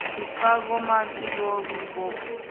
Chicago: "Marquis Who's Who".